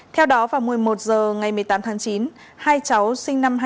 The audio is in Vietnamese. theo đó vào một mươi một h ngày một mươi tám tháng chín hai cháu sinh năm hai nghìn